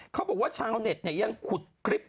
เขาบอกว่าชาวเน็ตยังขุดคลิป